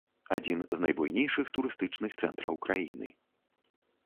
Адзін з найбуйнейшых турыстычных цэнтраў краіны.